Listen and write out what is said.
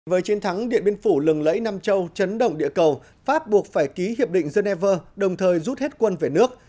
với chiến thắng điện biên phủ lừng lẫy nam châu chấn động địa cầu pháp buộc phải ký hiệp định geneva đồng thời rút hết quân về nước